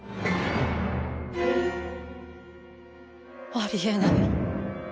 あり得ない。